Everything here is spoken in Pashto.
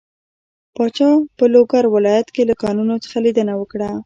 پاچا په لوګر ولايت له کانونو څخه ليدنه وکړه.